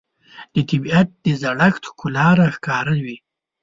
د طبیعت د زړښت ښکلا راښکاره وي